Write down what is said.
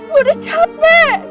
gue udah capek